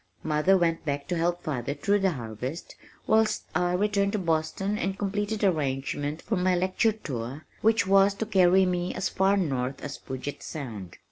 Mother went back to help father through the harvest, whilst I returned to Boston and completed arrangements for my lecture tour which was to carry me as far north as Puget Sound.